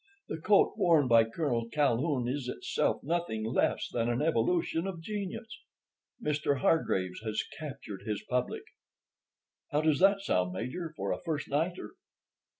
The coat worn by Colonel Calhoun is itself nothing less than an evolution of genius. Mr. Hargraves has captured his public.' "How does that sound, Major, for a first nighter?"